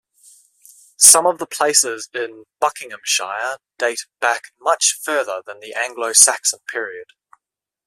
Some of the places in Buckinghamshire date back much further than the Anglo-Saxon period.